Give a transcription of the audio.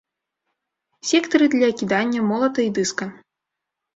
Сектары для кідання молата і дыска.